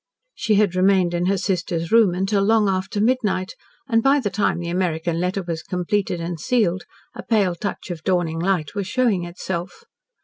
She had remained in her sister's room until long after midnight, and by the time the American letter was completed and sealed, a pale touch of dawning light was showing itself.